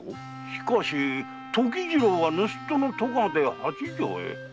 しかし時次郎は盗人の咎で八丈へ。